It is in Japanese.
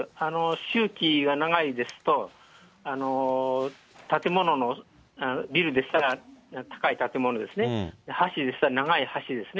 周期が長いですと、建物のビルでしたら、高い建物ですね、橋ですと長い橋ですね。